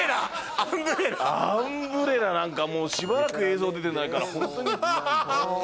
アンブレラなんかもうしばらく映像出てないから。